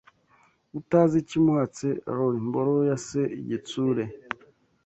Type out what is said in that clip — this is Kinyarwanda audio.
Utazi ikimuhatse arora imboro ya se igitsure